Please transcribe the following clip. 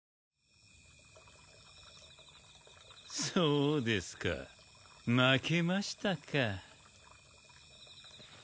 そうですか負けましたか。